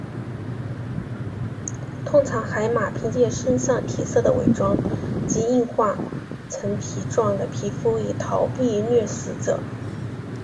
通常海马凭借身上体色的伪装及硬化成皮状的皮肤以逃避掠食者。